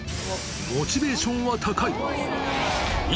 モチベーションは高い。